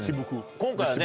今回はね